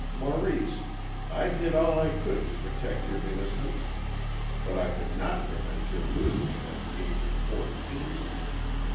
Maurice, I did all I could to protect your innocence, but I could not prevent your losing it at the age of fourteen.